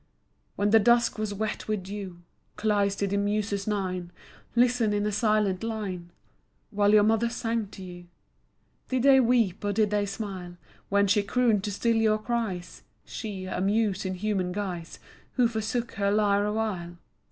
When the dusk was wet with dew, Cleis, did the muses nine Listen in a silent line While your mother sang to you? Did they weep or did they smile When she crooned to still your cries, She, a muse in human guise, Who forsook her lyre awhile?